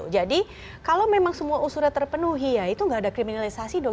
jadi kalau memang semua unsurnya terpenuhi ya itu nggak ada criminalisasi doang